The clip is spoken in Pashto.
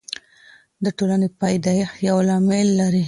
د ټولني پیدایښت یو لامل لري.